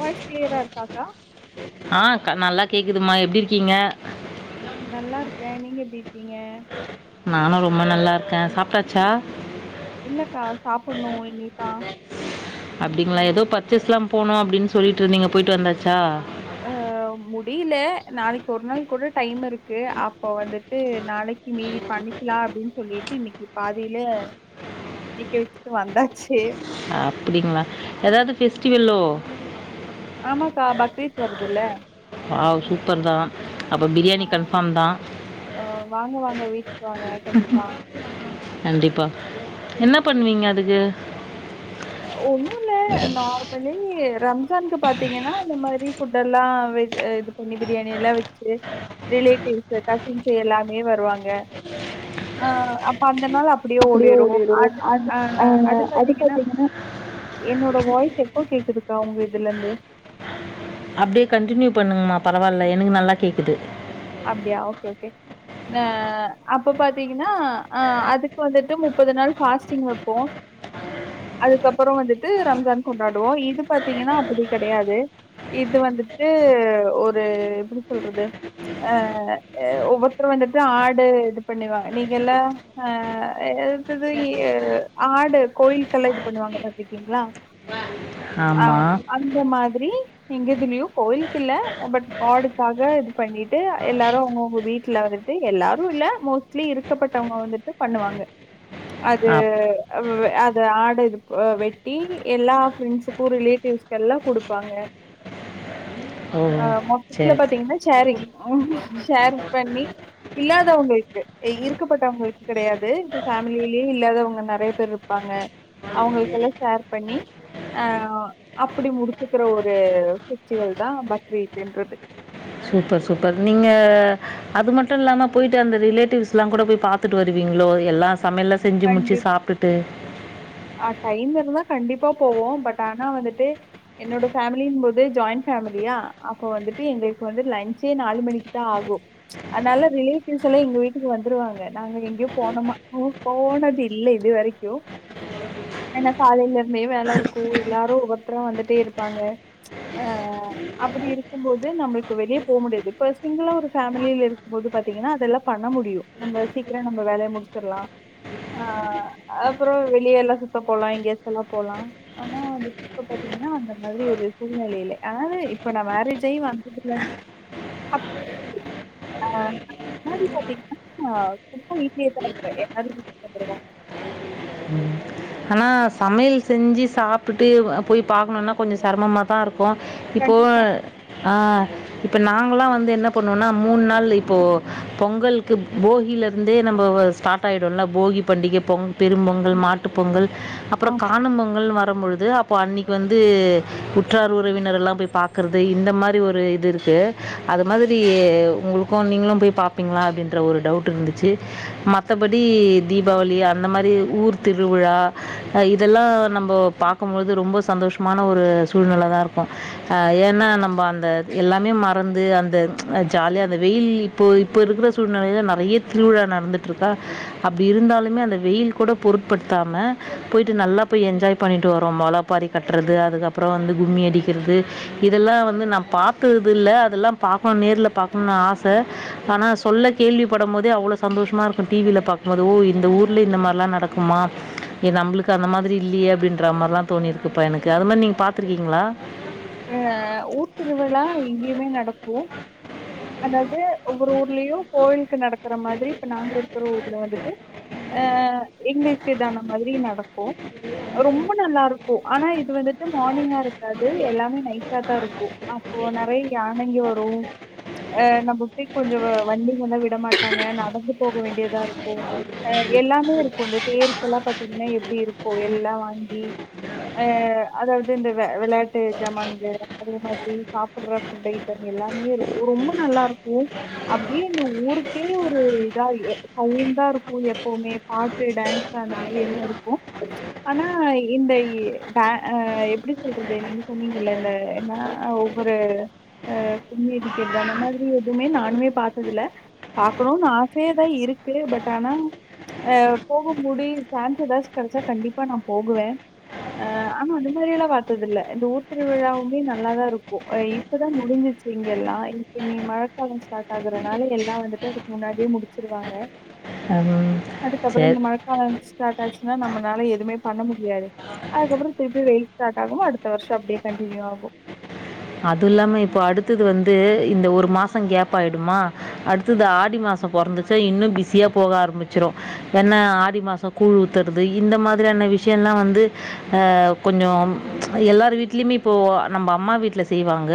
Voice கிளியரா இருக்காக்கா ஆ நல்லா கேக்குதுமா எப்டி இருக்கீங்க நல்லா இருக்க நீங்க எப்டி இருக்கீங்க? நானு ரொம்ப நல்லாரு சாப்ட்டாச்சா இல்லக்கா சாப்புட்ணும் இனிதான். அப்டிங்களா ஏதோ பர்ச்சேஸ்லா போணு அப்டின்னு சொல்லிட்டு இருந்தீங்க போயிட்டு வந்தாச்சா அஹ் முடியல நாளைக்கு ஒரு நாள் கூட டைம் இருக்கு அப்போ வந்துட்டு நாளைக்கு மீதி பண்ணிக்கலா அப்டின்னு சொல்லிட்டு இன்னைக்கு பாதியில நீக்கி வச்சுட்டு வந்தாச்சு அப்டிங்ளா ஏதாவது பெஸ்டிவல்லோ ஆமாக்கா பக்ரீத் வருதுல்ல வாவ் சூப்பர் தான் அப்போ ஆ பிரியாணி கன்ஃபார்ம் தான் ஹ வாங்க வாங்க வீட்டுக்கு வாங்க கண்டிப்பா கண்டிப்பாக என்ன பண்ணுவீங்க அதுக்கு ஒன்னு இல்ல நார்மலி ரம் ஜான்கு பாத்தீங்கன்னா இந்த மாரி ஃபுட் எல்லா இது பண்ணி பிரியாணி எல்லா வெச்சு ரிலேட்டிவ் கசின்ஸ் எல்லாமே வருவாங்க அப்டியே அப்படியே ஓடிரு ஓடிடும் அது அ அது அஹ், பாத்தீங்கன்னா பார்த்தீங்கன்னா என்னோட வாய்ஸ் எப்போ கேக்குதுக்கா இதுலந்து அப்டியே கண்டடினியூ பண்ணுங்கமா பரவாயில்ல எனக்கு நல்லா கேக்குது அப்டியா ஓகே ஓகே அ அப்ப பாத்தீங்கன்னா அ அதுக்கு வந்துட்டு முப்பது நாள் ஃபாஸ்டிங் வெப்போ அதுக்கப்புறம் வந்துட்டு ரம்ஜான் கொண்டாடுவோ இது பாத்தீங்கன்னா அப்படி கெடையாது இது வந்துட்டு ஒரு எப்டி சொல்றது அ ஒவ்வொருத்தரு வந்துட்டு ஆடு இது பண்ணுவாங்க நீங்க எல்லா அ எது ஆடு கோயில்கள் எல்லா இது பண்ணுவாங்க பாத்திருக்கீங்களா ஆ ஆமாம் அந்த மாரி [unintelligible] எங்கதுலயு கோயிலுக்கு இல்ல பட் கா்டக்காக இது பண்ணிட்டு ட்டு எல்லாரு அவங்கவுங்க வீட்டுல வந்துட்டு எல்லாரு இல்ல மோஸ்ட்லி இருக்கப்பட்டவங்க வந்துட்டு பண்ணுவாங்க அது அப் அத ஆடு இது வெட்டி எல்லா பிரண்ட்ஸுக்கு ரிலேட்டிவ்ஸ் எல்லா குடுப்பாங்க ஓ ஆ மொத்தத்துல சரி பாத்தீங்கன்னா சேரிங் உம் ஷேர் பண்ணி இல்லாதவங்களுக்கு இருக்கப்பட்டவங்களுக்கு கெடையாது இப்ப ஃபேமிலியிலயே இல்லாதவங்க நெறைய பேர் இருப்பாங்க அவங்களுக்கெல்லா ஷேர் பண்ணி அஹ் அப்படி முடிச்சுக்கிற ஒரு பெஃஸ்ட்டிவல் தான பக்ரீத்ன்றது சூப்பர் சூப்பர் நீங்க அது மட்டுல்லாம போயிட்டு அந்த ரிலேட்டிவ்ஸ் எல்லா கூட போய் பாத்துட்டு வருவீங்களோ எல்லா சமையல செஞ்சு முடிச்சு சாப்டுட்டு அஹ் டைம் இருந்தா கண்டிப்பா போவோ பட் ஆனா வந்துட்டு என்னோட ஃபேமிலியின் போது ஜாயிண்ட் ஃபேமிலியா அப்போ வந்துட்டு எங்களுக்கு வந்து லஞச்சே நாலு மணிக்கு தா ஆகு அதனால ரிலேட்டிவ்ஸ் எல்லா எங்க வீட்டுக்கு வந்துருவாங்க நாங்க எங்கயோ போனோமா போ போனது இல்ல இது வரைக்கூ ஏனா காலைல இருந்தே வேல இருக்கூ எல்லாரு ஒவ்வொருத்தரா வந்துட்டே இருப்பாங்க ஆஹ் அப்டி இருக்கும் போது நம்மளுக்கு வெளியே போ முடியாது இப்பொ சிங்கிளா ஒரு ஃபேமிலில இருக்கும்போது பாத்தீங்கன்னா அதெல்லா பண்ண முடியு நம்ம சீக்கிர நம்ம வேலைய முடிச்சுட்லா ஆ அப்றோ வெ இ ஏ எல்லா சுத்த போலா எங்கே ஆசுல்லா போலா ஆனா வந்துட்டு இப்ப பாத்தீங்கன்னா அந்த மாதிரி ஒரு சூழ்நிலையில ஆது இப்ப நா மேரேஜை வந்ததுலந்து அப் [inaudible] ஆஹ் மாரி பாத்தீங்கன்னா ரொம்ப ஈஸியேதா இருப்ப [inaudible] ஆ சமையல் செஞ்சு சாப்ட்டு வுவ போய் பாக்கணுனா கொஞ்சோ செரமமா தா இருக் போ இப்போ கண்டிப்பா. ஆஹ் இப்ப நாங்கல்லா வந்து என்ன பண்ணுவோனா மூன் நாள் இப்போ பொங்கல்க்கு போகில்ல இருந்தே நம்போ வ ஸ்டாட் ஆய்டுல போகி பண்டிகை பொங் பெரும் பொங்கல் மாட் ட்டு பொங்கல் அப்ற ஆம். காணும் பொங்கல் வா ரும்பொழுது அப்போ அன்னிக்கு வந்து உற்றார் உறவினர்ல்லா போய் பாக்குறது இந்த மாரி ஒரு இது இருக்கு அது மாதிரி உங்க்ளுகூ நீங்க்ளு போய் பாப்பிங்களா அப்டின்ற ஒரு டவுட் இருந்துச்சு மத்தபடி தீபாவளி அந்த மாரி ஊர் திருவிழா அ இதெல்லா நம்போ பாக்கும் பொழுது ரொம்ப சந்தோஷமான ஒரு சூழ்நெல தா இருக்கு அஹ் ஏனா நம்ப அந்த எல்லாமே மறந்து அந்த ஜாலிய அந்த வெயில் இப்போ இப்போ இருக்குற சூழ்நிலையில நெறைய திருவிழா நடந்துட்டு இருக்கா அப்டி இருந்தாலுமே அந்த வெயில் கூடக் பொருட்படுதாம போய்ட்டு நல்லா போய் என்ஜாய் பண்ணிட்டு வரோ மொளபாரி கட்றது அதுகப்றோ வந்து கும்மி அடிகிற்து இதெல்லா வந்து நா பாத்தற்துல்ல அதெல்லா பாக்கணு நேர்ல பாக்ணுனு ஆச ஆனா சொல்ல கேள்விபடும் போதே அவ்ளோ சந்தோஷமா இருக்கூ டிவில பாக்கும்போது ஓ இந்த ஊர்லே இந்த மாரிலா நடக் க்குமா ஏ நம்ளுக்கு அந்த மாதிரி இல்லியே அப்டின்ற மாரில்லா தோணிருக்குப்பா எனக்கு அதுல நீங்க் பாத்ருக்கீங்க்ளா ஆஹ ஊர் திருவிழா இங்கேயுமே நடக்கூ அதாவ்து ஒவ்வொரு ஊர்ல கோவிலுக்கு நடக் குற மாதிரி இப்ப நாங்க இருக்குற ஊர்ல வந்துட்டு அ அ அ எங்களுக்கு இதான மாதிரி நடக்கூ ரொம்ப நல்லா இருக்கு ஆனா இது வந்துட்டு மார்னிங்கா இருக்காது எல்லா மே நைட்டா தா இருக்கு அப்போ நெறைய யானைங்க வரூ அஹ் நம்ம போய் கொஞ்சோ வ வண்டிலலா விடமாட்டாங்க நடந்து போக வேண்டியதா இருக்கு அஹ் எல்லாமே இருக்கு இந்த தேருக்லா பாத்தீங்கன்னா எப்டி இருக்கு எல்லா வாங்கி அஹ் அதாவது இந்த வ வெளையாட்டு இந்த மங்கு அதே மாதிரி சாப்டுற ஃபுட் ஐம் எல்லாமே இருக்கு ரொம்ப நல்லா இருக்கு அப்டியே இந்த ஊருக்கே ஒரு இதாயி சவுண்டா இருக்கு எப்பவுமே பாட்டு டான்ஸ் அந்த மாத்ரி எல்லா இருக்கு ஆனா இந்த எ டா அஹ் எப்டி சொல்றது நீங் சொன்னீங்கல்ல இந்த என்னா ஒவ்வொரு அஹ் கும்மியடிகற்து அந்த மாதிரி எதுவுமே நானுமே பாத்ததுல்ல பாக்கணுனு ஆசையா தா இருக்கு பட் ஆனா அஹ் போக முடியு சான்ஸ் எதாசு கெடச்சா கண்டிப்பா நா போகுவே ஆஹ் ஆனா அந்த மாதிரியல்லா பாத்ததுலல் இந்த ஊர் த்திருவிழாவுமே நல்லாதா இருக்கு இப்பதா முடிஞ்சிச்சு இங்க எல்லா இப்ப இனி மழக்காலம் ஸ்டார்ட் ஆகுறனால எல்லா வந்துட்டு அதுக்கு முன்னாடியே முடிச்சிருவாங்க அஹ்ம் சேர் ஸ்டாட் ஆச்சுன்னா நம்மனால எதுமே பண்ண முடியாது அதுக்கப்றம் திருப்பி வெயில் ஸ்டாட் ஆகுமா அடுத்த வர்ஷோ அப்டியே கண்டினியூ ஆகோ அது இல்லாம இப்ப அடுத்தது வந்து இந்த ஒரு மாச கேப் ஆய்டுமா அடுத்தது ஆடி மாச பொறந்துச்ச இன்னு பிஸியா போக ஆரம்பிச்சுரு என்னா ஆடி மாசோ கூழ் ஊதற்து இந்த மாதிரியான விஷ்யம்லா வந்து அஹ் கொஞ்சோ எல்லார் வீட்லயுமே இப்போ நம்ப அம்மா வீட்ல செய்வாங்க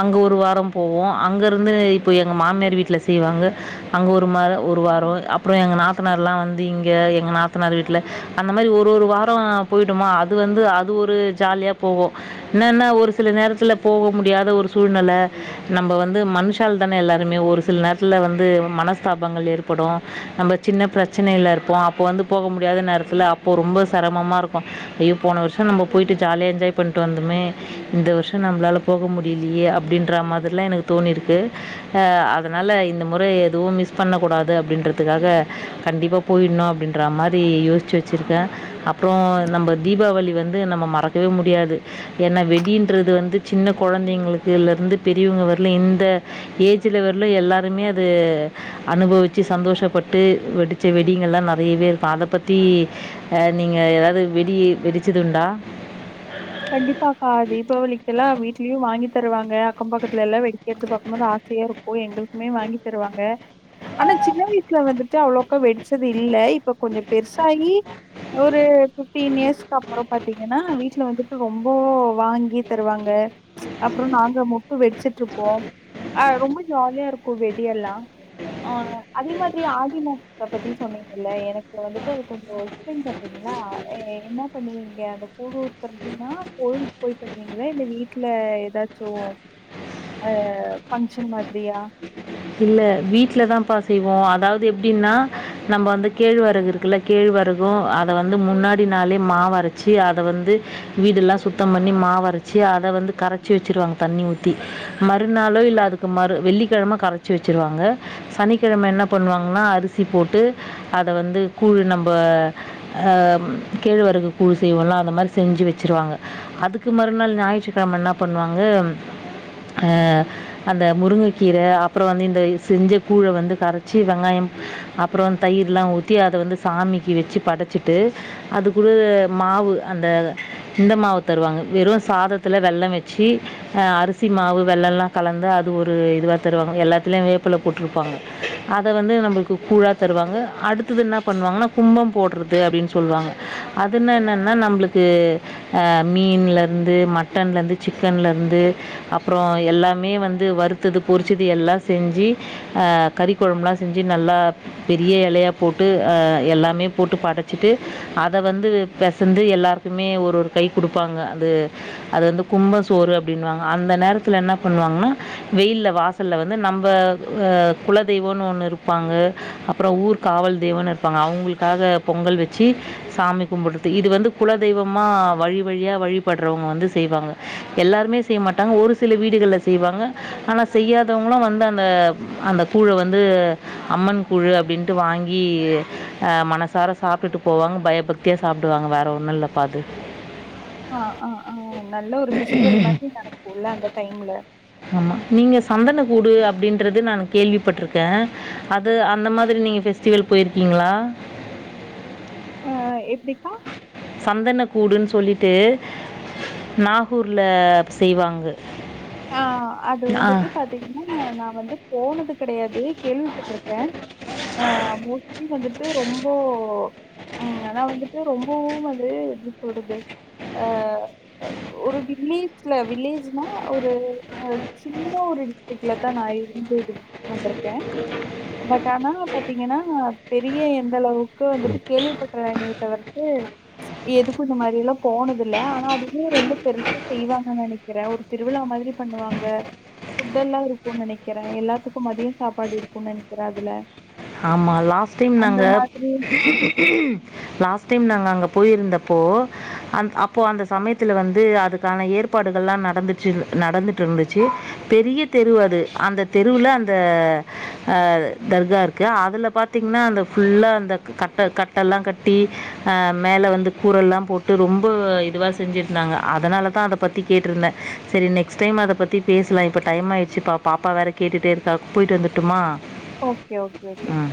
அங்க ஒரு வாரோ போவோ அங்க இருந்து இப்போ எங்க மாமியார் வீட்ல செய்வாங்க அங்க ஒரு ம ஒரு வாரோ அப்றோ எங்க நாத்தனார்லா வந்து இங்க எங்க நாத்தனாரு வீட்ல அந்த மாரி ஒரு ஒரு வாரோ போயிட்டோமா அது வந்து அது ஒரு ஜாலியா போவோ என்னன்னா ஒரு சில நேரத்துல போக முடியாத ஒரு சூழ்நெல நம்ப வந்து மனுஷால் தானே எல்லாருமே ஒரு சில நேரத்துல வந்து மனஸ்தாபங்கள் ஏற்படூ நம்ம சின்ன பிரச்னைல இருப்போ அப்போ வந்து போக முடியாத நேரதுல அப்போ ரொம்ப செரமமா இருக்கோ ஐயோ போன வர்ஷோ நம்ம போய்டு ஜாலியா என்ஜாய் பண்ட்டு வந்தமே இந்த வர்ஷோ நம்ளால போக முடிலியே அப்டின்ற மாதிரிலா எனக்கு தோணிருக்கு ஹ அதனால இந்த முற எதுவு மிஸ் பண்ணகூடாது அப்டின்றதுகாக கண்டிப்பா போயிட்ணு அப்டின்ற மாரி யோசுச்சு வச்சுருகே அப்றோ நம்ம தீபாவளி வந்து நம்ம மறக்கவே முடியாது ஏன்னா வெடின்றது வந்து சின்ன கொழந்தைங்ளுக்குல இருந்து பெரியவங்க வர்லு இந்த ஏஜ்ல வர்லு எல்லாருமே அது அனுபவிச்சு சந்தோஷப்பட்டு வெடிச்ச வெடிங்கல்லா நெறையவே இருக்கு அத பத்தி ஹ நீங்க ஏதாவது வெடி வெடிச்சதுண்டா கண்டிப்பாக்கா தீபாவளிகெல்லா வீட்லியு வாங்கி தருவாங்க அக்கம் பக்கத்துல எல்லா வெடிக்கற்து பாக்கும்போது ஆசையா இருக்கு எங்களுக்குமே வாங்கி தருவாங்க ஆனா சின்ன வயசுல வந்துட்டு அவ்ளோக்கா வெடிச்சது இல்ல இப்ப கொஞ்ச பெருசாகி ஒரு ஃபிப்டீன் இயர்ஸ்கு அப்பறோ பாத்தீங்கன்னா வீட்டுல வந்துட் ரொம்போ வாங்கி தருவாங்க அப்றோ நாங்க முக்கு வெடுச்சுட்ருப்போ அஹ் ரொம்ப ஜாலியா இருக்கூ வெடியெல்லா அஹ் அதே மாத்ரி ஆ தி மு க ப்பத்தி சொன்னீங்கல்ல எனக்கு வந்துட்டு அது கொஞ்சோ எக்ஸ்ப்லைன் பண்றீங்களா எ எ என்ன பண்ணுவீங்க அந்த கூழூத்தற் டுமா கோயில்க்கு போய் பணீணுவீங்களா இல்ல வீட்ல எதாச்சு அஹ் ஃபங்க்ஷன் மாதிரியா இல்ல வீட்ல தான்ப்பா செய்வோ அதாவது எப்டின்னா நம்ப வந்து கேழ்வரகு இருக்குல்ல கேழ்வரகூ அத வந்து முன்னாடி நாளே மாவ் அரச்சு அத வந்து வீடுல்லா சுத்த பண்ணி மாவு அரச்சு அத வந்து கரச்சு வெச்சிருவாங்க தண்ணி ஊத்தி மறுநாளோ இல்ல அதுக்கு மறு வெள்ளிகெழம கர ச்சு வச்சருவாங்க சனிகெழம என்ன பண்ணுவாங்கன்னா அருசி போட்டு அத வந்து கூழ் நம்ப ஆ கேழ்வரகு கூழ் செய்வோல அது மாரி செஞ்சு வெச்சுருவாங்க அதுக்கு மறுநாள் ஞாயிற்றுகெழம என்ன பண்ணுவாங்க அ அந்த முருங்ககீர அப் ப்றோ வந்து இந்த செஞ்ச கூழ வந்து கரச்சு வெங்காயம் அப்றோ தயிர்லா ஊத்தி அத வந்து சாமிக்கு வெச்சு படச்சிட்டு அது கூட மாவு அந்த இந்த மாவு தருவாங்க வெறு சாதத்துல வெள்ள வெச்சு அருசி மாவு வெள்ளலா கலந்து அது ஒரு இதுவா தருவாங் நாங்க எல்லாத்லயுமே வேப்ல போட்ருபாங்க அத வந்து நம்பளுக்கு கூழா தருவாங்க அடுத்தது என்னா பன்னுவாங்கன்னா கும்பம் போட்றது அப்டினு சொல்வாங்க அதுன்னா என்னன்னா நம்ளுக்கு அ மீன்ல இருந்து மட்டன்ல இருந்து சிக்கன்ல இருந்து அப்றோ எல்லாமே வந்து வருத்தது பொறு சது எல்லா செஞ்சி ஆ கறிகொழம்புலா செஞ்சு நல்லா பெரிய எலையா போட்டு ஆ எல்லாமே போட்டு படச்சிட்டு அத வந்து பெசந்து எல்லாருக்குமே ஒரு ஒரு கை குடுபாங்க அது அது வந்து கும்ப சோறு அப்டின்வாங்க அந்த நேரத்ல என்ன பண்ணுவாங்கன்னா வெயில்ல வாச் சல்ல வந்து நம்ப ஆ குலதெய்வோனு ஒண்ணு இருபாங்க அப்றோ ஊர் காவல் தெய்வோனு இருபாங்க அவுங்க்ளுகாக பொங்கல் வச்சு சாமி கும்புட்டுடு இது வந்து குலதெய்வமா வழி வழியா வழிபட்றவங்க வந்து செய்வாங்க எல்லாருமே செய் மாட்டாங்க ஒரு சில வீடுகள்ல செய்வாங்க ஆனா செய்யா தவங்கள்ளா வந்து அந்த அந்த கூழ வந்து அம்மன் கூழு அப்டின்ட்டு வாங்கி அஹ் மனசார சாப்ட்டுட்டு போவாங்க பயபக்தியா சாப்டுவாங்க வேற ஒண்ணு இல்லப்பா அது ஆஹ் ஆஹ் ஆஹ் நல்ல ஒரு ஃபெஸ்டிவல் மாதிரி நடக்குல அந்த டைம்ல சந்தன கூடு அப்டின்றது நானு கேள்விபட்ருக்கே அது அந்த மாதிரி நீங்க ஃபெஸ்டிவல் போய்ருகீங்க்ளா அஹ் எப்டிக்கா கூடுன் சொல்லிட்டு நாகூர்ல செய்வாங்க ஆஹ் அது ஆ. வந்துட்டு பத் தீங்னா நா வந்துப் போனதுக் கெடையாது கேள்விபட்ருக்கே ஆ மோஸ்ட்லி வந்துட் டு ரொம்போ ம் ஆனா வந்துட்டு ரொம்பவூ அதே எப்படி சொல்றது ஆ ஒரு வில்லேஜ்ல வில்லேஜ்னா ஒரு சின்ன ஒரு [inaudible] தா நா இருந்தது வந்திருக்கே பட் ஆனா பாத்தீங்கன்னா பெரிய எந்தளவுக்கு வந்துட்டு கேள்விப்பட்றாங்கிய தவிர்த்து எதுக்கூ இந்த மாத்ரி எல்லா போனதில்ல ஆனா அதுமே ரொம்ப பெருசா செய்வாங்க நெனைக்கிறே ஒரு திருவிழா மாத்ரி பண்ணுவாங்க ஃபுட்டெல்லா இருக்கூ நெனைக்கிறே எல்லாத்துக்கூ மதியோ சாப்பாடு இருக்கூ நெனைக்கிறே அதுல ஆமா லாஸ்ட் டைம் அந்த நாங்க மாதிரி லாஸ்ட் டைம் நாங்க அங்கப் போயிருந்தப்போ அந் அப்போ அந்த சமயத்துல வந்து அதுக்கான ஏற்பாடுகள்லா நடந்துச்சு நடந்துட்ருந்துச்சு பெரிய தெருவ் அது அந்த தெருவுலவ அந்த தர்கா இர் கு அதுல பாத்தீங்னா அந்த ஃபுல்லா அந்த கட்ட கட்டெல்லா கட்டி மேலே வந்து கூரெல்லா போட்டு ரொம்ப இதுவா செஞ்சுருந்தாங்க அதனால தா அத பத்தி கேட்ருந்தே செரி நெக்ஸ்ட் டைம் அத பத்தி பேசலா இப்ப டைம் ஆயிடுச்சு பா பாப்பா வேற கேட்டுட்டே இருக்கா போய்ட்டு வந்துட்டுமா ஓ கே ஓகே ஓகே ம்.